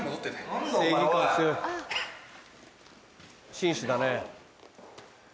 紳士だね。